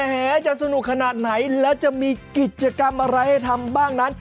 แหจะสนุกขนาดไหนแล้วจะมีกิจกรรมอะไรให้ทำบ้างนั้น